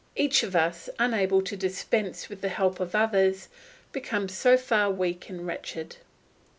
Each of us, unable to dispense with the help of others, becomes so far weak and wretched.